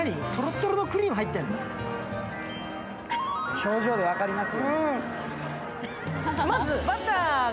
表情で分かります。